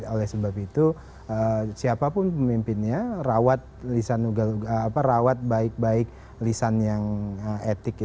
oleh sebab itu siapapun pemimpinnya rawat rawat baik baik lisan yang etik